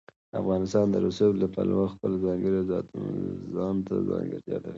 افغانستان د رسوب له پلوه خپله ځانګړې او ځانته ځانګړتیا لري.